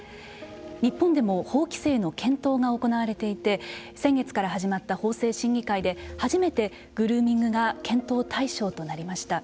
日本でも法規制の検討が行われていて先月から始まった法制審議会で初めてグルーミングが検討対象となりました。